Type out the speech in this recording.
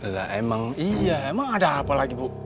lah emang iya emang ada apa lagi bu